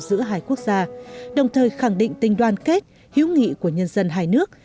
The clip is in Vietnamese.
giữa hai quốc gia đồng thời khẳng định tình đoan kết hữu nghị của nhân dân hai nước